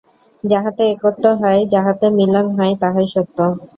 যাহাতে একত্ব হয়, যাহাতে মিলন হয়, তাহাই সত্য।